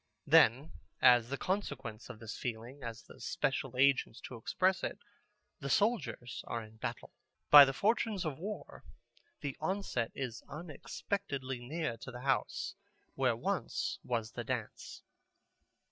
Then as the consequence of this feeling, as the special agents to express it, the soldiers are in battle. By the fortunes of war the onset is unexpectedly near to the house where once was the dance.